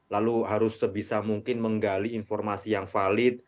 lalu harus sebisa mungkin menggali informasi yang valid